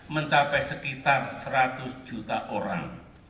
mencapai sekitar seratus juta orang